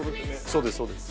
そうですそうです。